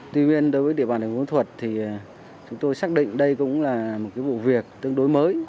tuy nhiên đối với địa bàn đề phương thuật thì chúng tôi xác định đây cũng là một cái vụ việc tương đối mới